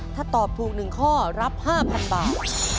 ถ้าตอบถูก๑ข้อรับ๕๐๐๐บาท